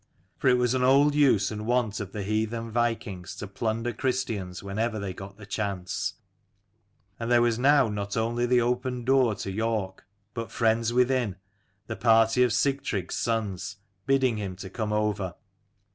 For it was an old use and wont of the heathen vikings to plunder Christians whenever they got the chance : and there was now not only the open door to York, but friends within, the party of Sigtrygg's sons, bidding him to come over.